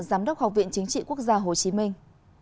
giám đốc học viện chính trị quốc gia hồ chí minh